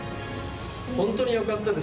本当によかったです。